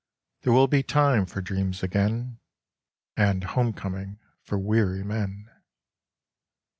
There will be time for dreams again, And home coming for weary men.